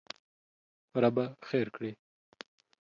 ربه خېر کړې!